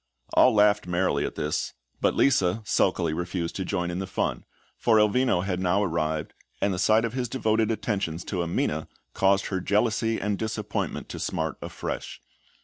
All laughed merrily at this; but Lisa sulkily refused to join in the fun, for Elvino had now arrived, and the sight of his devoted attentions to Amina caused her jealousy and disappointment to smart afresh.